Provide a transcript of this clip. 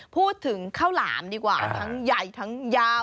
พูดถึงข้าวหลามดีกว่าทั้งใหญ่ทั้งยาว